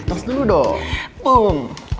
semoga berlihat terbaik